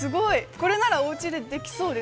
これならおうちでできそうです。